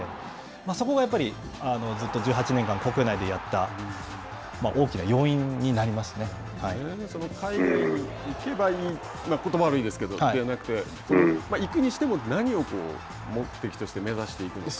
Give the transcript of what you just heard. そこがやっぱりずっと１８年間国内でやったその海外に行けばいいことばは悪いですけどではなくて、行くにしても何を目的として目指していくのかと。